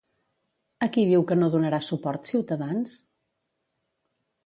A qui diu que no donarà suport Ciutadans?